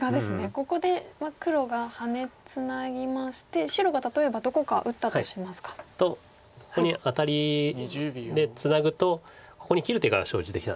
ここで黒がハネツナぎまして白が例えばどこか打ったとしますか。とここにアタリでツナぐとここに切る手が生じてきたんです。